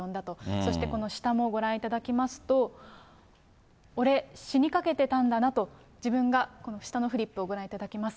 そしてこの下もご覧いただきますと、俺、死にかけてたんだなと、自分が、下のフリップをご覧いただきます。